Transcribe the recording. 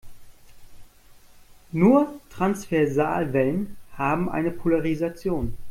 Nur Transversalwellen haben eine Polarisation.